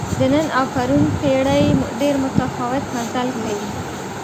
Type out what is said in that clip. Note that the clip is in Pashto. د نن او پرون پېړۍ ډېر متفاوت مزل کوي.